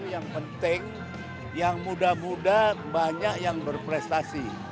yang penting yang muda muda banyak yang berprestasi